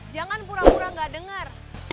jangan pura pura gak dengar